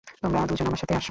তোমরা দুজন, আমার সাথে আসো!